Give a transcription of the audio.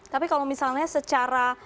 tapi kalau misalnya secara